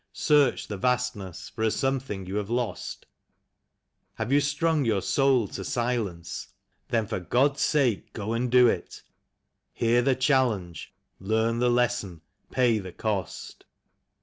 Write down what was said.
Searched the Vastness for a something you have lost ? Have you strung your soul to silence ? Then for God's sake go and do it; Hear the challenge, learn the lesson, pay the cost.